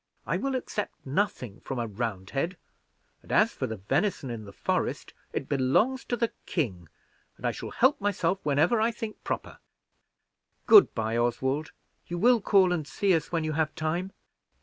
I will accept nothing from a Roundhead; and as for the venison in the forest, it belongs to the king, and I shall help myself whenever I think proper. Good by, Oswald, you will call and see us when you have time?"